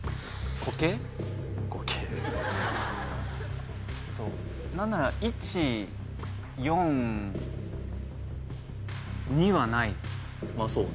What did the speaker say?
固形何なら１４２はないまあそうね